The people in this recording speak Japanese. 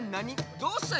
どうしたい。